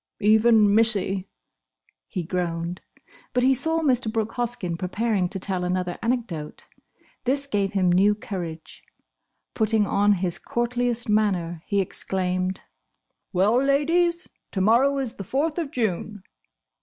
"Even Missie!" he groaned. But he saw Mr. Brooke Hoskyn preparing to tell another anecdote. This gave him new courage. Putting on his courtliest manner, he exclaimed, "Well, Ladies! To morrow is the Fourth of June!"